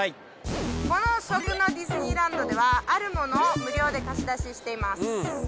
この食のディズニーランドではあるものを無料で貸し出ししています。